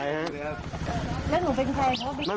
แล้วหนูเป็นใครครับ